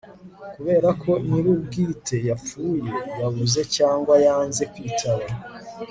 kubera ko nyir ubwite yapfuye yabuze cyangwa yanze kwitaba